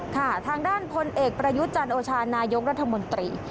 ทางด้านพลเอกประยุทธ์จันโอชานายกรัฐมนตรี